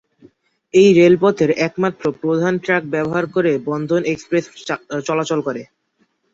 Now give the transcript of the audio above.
এই রেলপথের একমাত্র প্রধান ট্র্যাক ব্যবহার করে বন্ধন এক্সপ্রেস চলাচল করে।